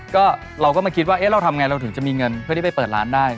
ก็เราก็มาคิดว่าเราทำไงเราถึงจะมีเงินเพื่อที่ไปเปิดร้านได้